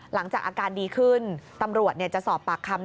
หลังจากอาการดีขึ้นตำรวจจะสอบปากคำ